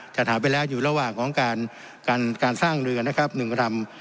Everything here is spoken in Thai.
จัดหาไปแล้วอยู่ระหว่างของการสร้างเรือนนะครับ๑ลำ